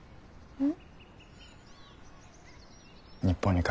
うん。